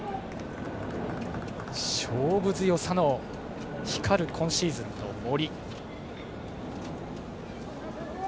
勝負強さの光る今シーズンの森。